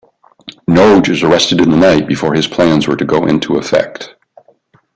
Noge is arrested the night before his plans were to go into effect.